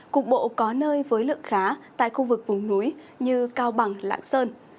cục bộ có nơi với lượng khá tại khu vực vùng núi như cao bằng lạng sơn